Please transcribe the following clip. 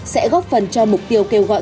sẽ góp phần cho mục tiêu kêu gọi